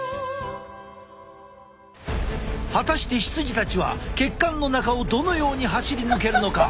果たして羊たちは血管の中をどのように走り抜けるのか？